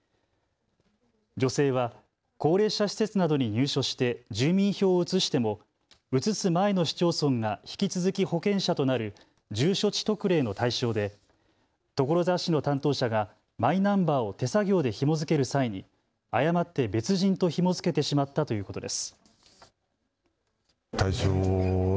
女性は高齢者施設などに入所して住民票を移しても移す前の市町村が引き続き保険者となる住所地特例の対象で所沢市の担当者がマイナンバーを手作業でひも付ける際に誤って別人とひも付けてしまったということです。